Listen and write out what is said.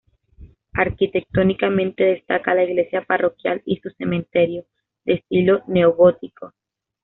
Arquitectónicamente destaca la iglesia parroquial y su cementerio, de estilo neogótico.